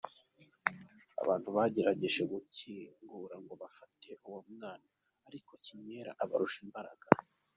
Abantu bagerageje gukingura ngo bafate uwo mwana ariko Kinyera abarusha imbaraga.